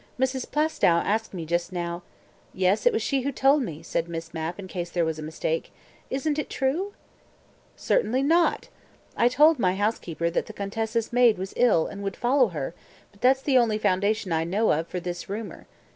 Mrs. Plaistow asked me just now " "Yes; it was she who told me," said Miss Mapp in case there was a mistake. "Isn't it true?" "Certainly not. I told my housekeeper that the Contessa's maid was ill, and would follow her, but that's the only foundation I know of for this rumour.